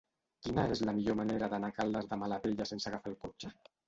Quina és la millor manera d'anar a Caldes de Malavella sense agafar el cotxe?